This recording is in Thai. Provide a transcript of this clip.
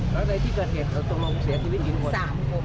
แล้วใดที่เกิดเห็นเขาต้องมองเสียชีวิตทุกคน